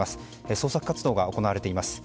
捜索活動が行われています。